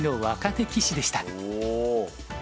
お！